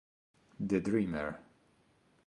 The Dreamer